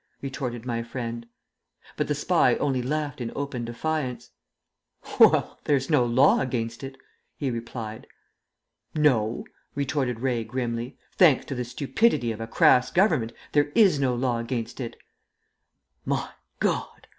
retorted my friend. But the spy only laughed in open defiance. "Well, there's no law against it," he replied. "No," retorted Ray grimly, "thanks to the stupidity of a crass Government, there is no law against it." "My God!"